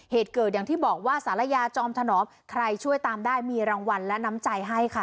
เหตุเกิดอย่างที่บอกว่าสารยาจอมถนอมใครช่วยตามได้มีรางวัลและน้ำใจให้ค่ะ